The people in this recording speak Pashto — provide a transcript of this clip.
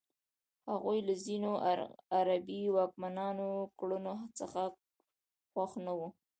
هغوی له ځینو عربي واکمنانو کړنو څخه خوښ نه وو.